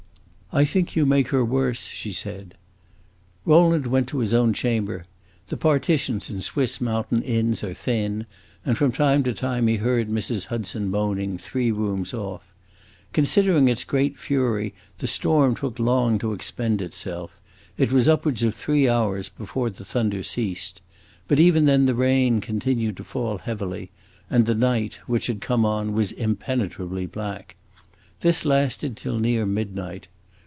"I think you make her worse," she said. Rowland went to his own chamber. The partitions in Swiss mountain inns are thin, and from time to time he heard Mrs. Hudson moaning, three rooms off. Considering its great fury, the storm took long to expend itself; it was upwards of three hours before the thunder ceased. But even then the rain continued to fall heavily, and the night, which had come on, was impenetrably black. This lasted till near midnight.